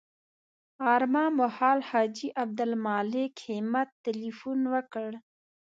غرمه مهال حاجي عبدالمالک همت تیلفون وکړ.